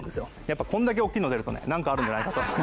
こんだけおっきいの出るとね何かあるんじゃないかと。